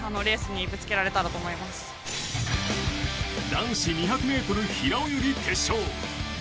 男子２００ｍ平泳ぎ決勝。